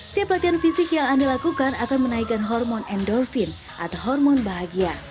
setiap latihan fisik yang anda lakukan akan menaikkan hormon endorfin atau hormon bahagia